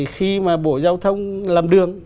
khi mà bộ giao thông làm đường